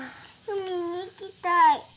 海に行きたい。